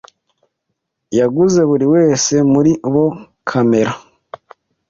yaguze buri wese muri bo kamera.